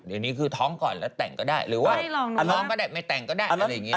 อันนี้คือท้องก่อนแล้วแต่งก็ได้หรือว่าท้องก่อนแล้วไม่แต่งก็ได้